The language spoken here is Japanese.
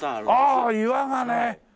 ああ岩がね！